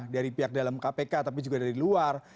dari pihak dalam kpk tapi juga dari luar